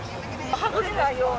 はぐれないように。